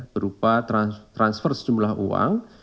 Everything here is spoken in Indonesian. berupa transfer sejumlah uang